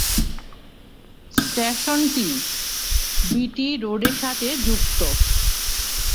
স্টেশনটি বিটি রোডের সাথে যুক্ত।